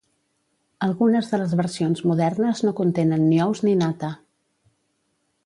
Algunes de les versions modernes no contenen ni ous ni nata.